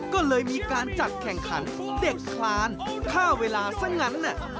ก็เลยมีการจัดแข่งขันเด็กคลานค่าเวลาซะงั้น